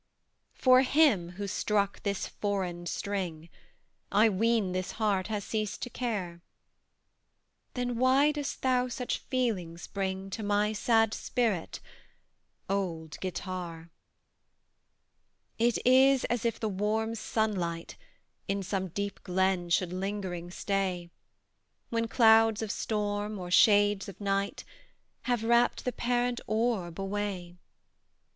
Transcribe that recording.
For him who struck thy foreign string, I ween this heart has ceased to care; Then why dost thou such feelings bring To my sad spirit old Guitar? It is as if the warm sunlight In some deep glen should lingering stay, When clouds of storm, or shades of night, Have wrapt the parent orb away.